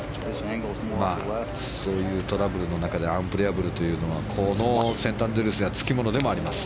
そういうトラブルの中でアンプレヤブルというのはこのセントアンドリュースではつきものでもあります。